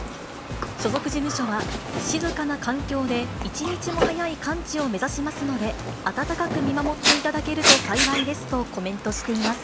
所属事務所は、静かな環境で一日も早い完治を目指しますので、温かく見守っていただけると幸いですとコメントしています。